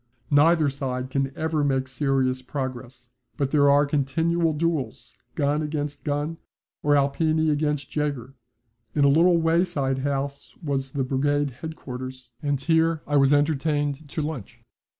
Neither side can ever make serious progress, but there are continual duels, gun against gun, or Alpini against Jaeger. In a little wayside house was the brigade headquarters, and here I was entertained to lunch.